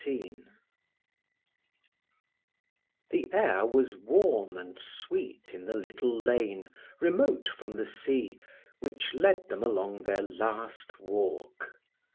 XIX The air was warm and sweet in the little lane, remote from the sea, which led them along their last walk.